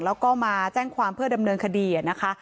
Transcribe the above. แล้วก็มาแจ้งความเพื่อดำเนินคดีนะคะ